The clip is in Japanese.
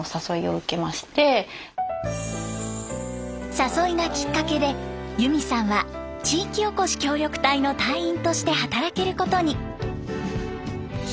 誘いがきっかけでゆみさんは地域おこし協力隊の隊員として働けることに。